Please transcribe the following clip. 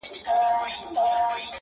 • چي ماښام سو غم نازل د آس بېلتون سو ,